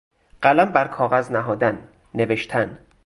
قلم بر کاغذ نهادن، نوشتن